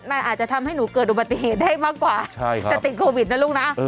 มันอาจจะทำให้หนูเกิดอุบัติเหตุได้มากกว่าจะติดโควิดนะลูกนะ